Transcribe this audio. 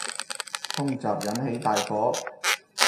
空襲引起大火